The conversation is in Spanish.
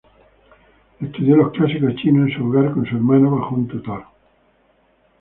Estudió los clásicos chinos en su hogar con su hermano, bajo un tutor.